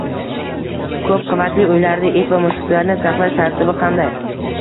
Ko’p qavatli uylarda it va mushuklarni saqlash tartibi qanday?